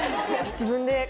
自分で。